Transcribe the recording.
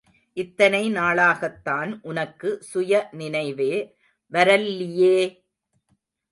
இத்தனை நாளாகத்தான் உனக்கு சுய நினைவே வரல்லியே!